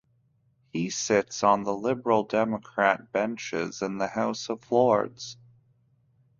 He sits on the Liberal Democrat benches in the House of Lords.